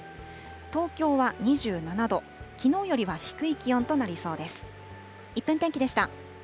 東京は２７度、きのうよりは低い気温となりそうです。